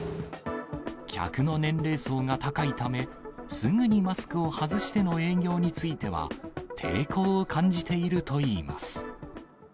客の年齢層が高いため、すぐにマスクを外しての営業については、抵抗を感じているといいます。